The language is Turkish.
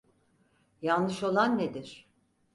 Yanlış olan nedir?